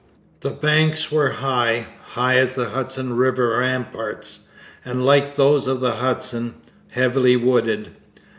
The banks were high, high as the Hudson river ramparts, and like those of the Hudson, heavily wooded.